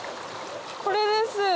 これです。